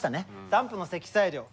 ダンプの積載量。